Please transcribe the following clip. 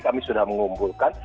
kami sudah mengumpulkan